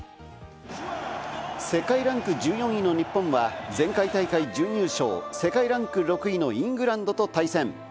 世界ランク１４位の日本は前回大会準優勝、世界ランク６位のイングランドと対戦。